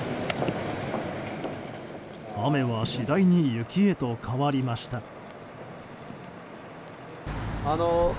雨は次第に雪へと変わりました。